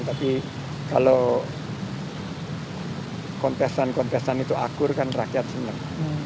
tapi kalau kontesan kontesan itu akur kan rakyat senang